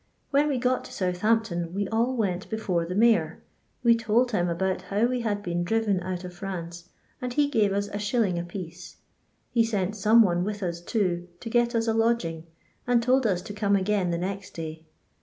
When we got to Southampton, we all went before the mayor; we told him about how we had been driven out of France, and he gave us a shilling a piece ; he sent some one with us, too, to get us a lodging, and told us to come again the next day.